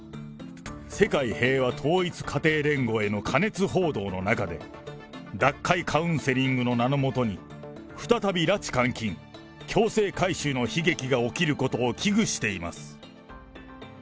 世界平和統一家庭連合への過熱報道の中で、脱会カウンセリングの名の下に、再び拉致監禁、強制改宗の悲劇が起きることを危惧しています。